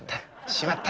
しまった。